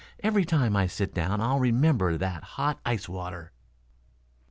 "Every time I sit down I'll remember that hot ice water."